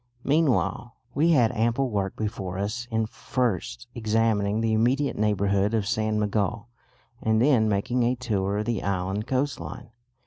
Meanwhile we had ample work before us in first examining the immediate neighbourhood of San Miguel and then making a tour of the island coastline.